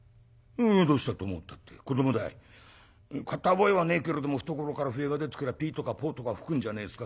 「どうしたと思うったって子どもだい。買った覚えはねえけれども懐から笛が出てくればピーとかポーとか吹くんじゃねえですか」。